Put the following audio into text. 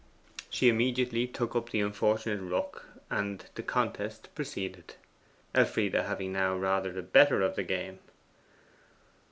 She immediately took up the unfortunate rook and the contest proceeded, Elfride having now rather the better of the game.